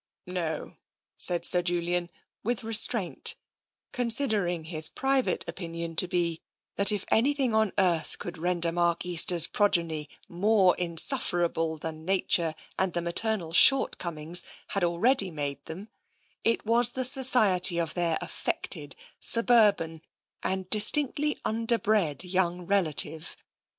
" No," said Julian, with restraint, considering his private opinion to be that if anything on earth could render Mark Easter's progeny more insufferable than nature and the maternal shortcomings had already made them, it was the society of their affected, sub urban, and distinctly underbred young relative.